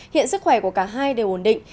hiện sức khỏe của cả hai đều ổn định